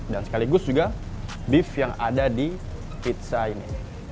dan sekaligus juga beef yang ada di pizza ini